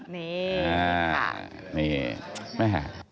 นี่นี่ค่ะ